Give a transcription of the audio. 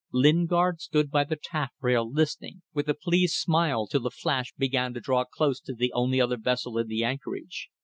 Lingard stood by the taff rail listening, with a pleased smile till the Flash began to draw close to the only other vessel in the anchorage.